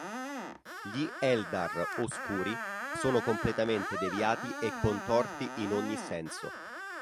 Gli Eldar Oscuri sono completamente deviati e contorti in ogni senso.